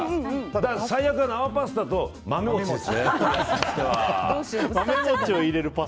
最悪、生パスタと豆もちですね。